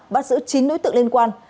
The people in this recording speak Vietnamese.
bắt giữ chín nối tự liên quan